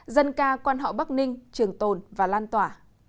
dân ca quan họ bắc ninh trường tồn và lan tỏa